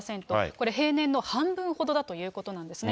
これ平年の半分ほどだということなんですね。